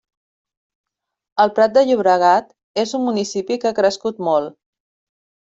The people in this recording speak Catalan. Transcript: El Prat de Llobregat és un municipi que ha crescut molt.